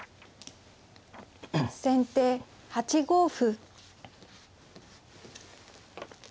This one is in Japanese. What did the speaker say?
先手８五歩。